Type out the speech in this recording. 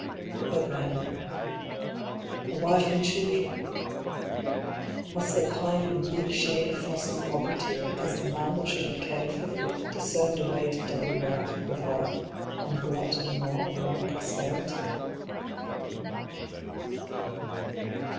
But then, the wife and children : must they pine in the bleak shade of frosty poverty, because the man that should have cared for them discerned a way to double wealth with wealth and glut the maw of rank prosperity?